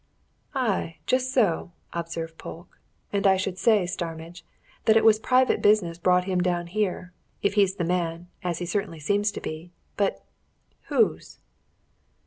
"Aye, just so!" observed Polke. "And I should say, Starmidge, that it was private business brought him down here if he's the man, as he certainly seems to be. But whose?"